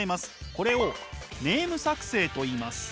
これをネーム作成といいます。